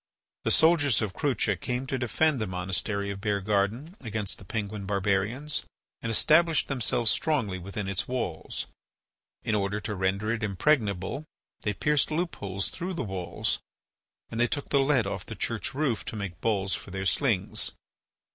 The soldiers of Crucha came to defend the monastery of Beargarden against the Penguin barbarians and established themselves strongly within its walls. In order to render it impregnable they pierced loop holes through the walls and they took the lead off the church roof to make balls for their slings.